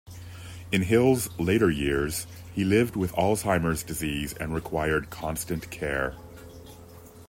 In Hill's later years, he lived with Alzheimer's disease and required constant care.